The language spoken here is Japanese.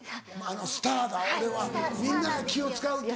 スターだ俺はみんなが気を使うって。